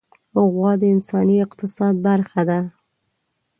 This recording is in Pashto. غوا د انساني اقتصاد برخه ده.